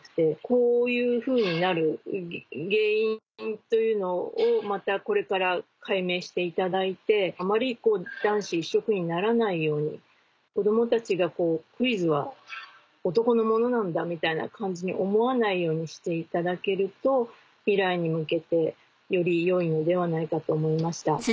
こういうふうになる原因というのをまたこれから解明していただいてあまり男子一色にならないように子供たちが「クイズは男のものなんだ」みたいな感じに思わないようにしていただけると未来に向けてより良いのではないかと思いました。